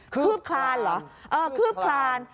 คืบคลานหรอคืบคลาน